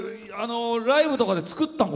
ライブとかで作ったん？